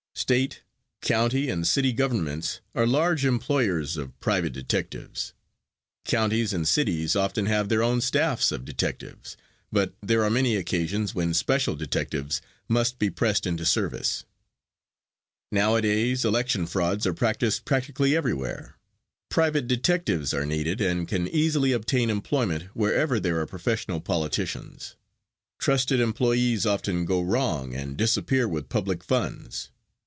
State, county and city governments are large employers of private detectives. Counties and cities often have their own staffs of detectives, but there are many occasions when special detectives must be pressed into service. Nowadays election frauds are practiced practically everywhere. Private detectives are needed and can easily obtain employment wherever there are professional politicians. Trusted employees often go wrong and disappear with public funds.